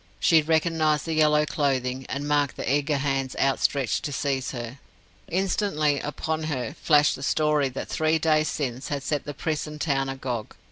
She recognized the yellow clothing, and marked the eager hands outstretched to seize her. Instantly upon her flashed the story that three days since had set the prison town agog.